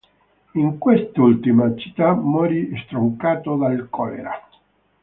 In quest'ultima città morì, stroncato dal colera.